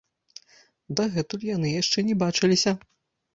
Дагэтуль яны яшчэ не бачыліся.